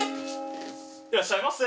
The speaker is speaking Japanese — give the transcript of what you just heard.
「いらっしゃいませ」。